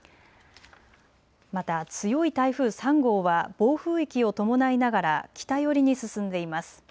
また強い台風３号は暴風域を伴いながら北寄りに進んでいます。